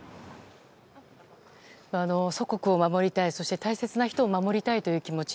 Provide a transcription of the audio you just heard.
祖国を守りたいそして大切な人を守りたいという気持ち。